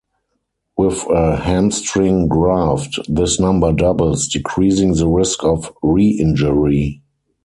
With a hamstring graft, this number doubles, decreasing the risk of re-injury.